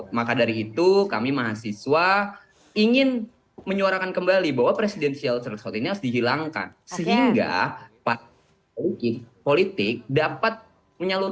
terima kasih anda masih bersama kami di political show